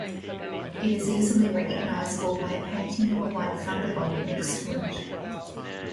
It is easily recognizable by a painting of a white thunderbolt next to it.